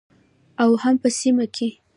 او هم په سیمه کې